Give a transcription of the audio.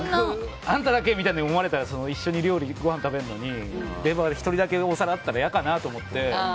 あんただけみたいに思われたら一緒にごはん食べるのにレバーが１人だけあったら嫌かなと思って。